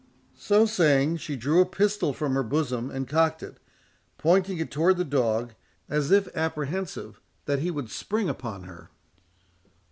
So saying, she drew a pistol from her bosom, and cocked it—pointing it towards the dog, as if apprehensive that he would spring upon her.